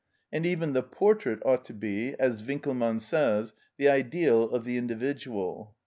And even the portrait ought to be, as Winckelmann says, the ideal of the individual.